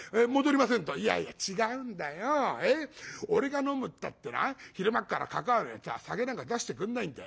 俺が飲むったってな昼間っからかかあのやつは酒なんか出してくんないんだよ。